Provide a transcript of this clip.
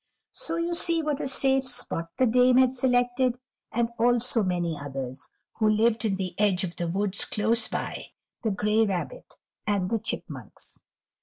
So you see what a safe spot the Dame had selected, and also many others, who lived in the edge of the woods close by, the gray rabbit, and the chipmunks.